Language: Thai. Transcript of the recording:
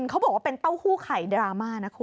เขาบอกว่าเป็นเต้าหู้ไข่ดราม่านะคุณ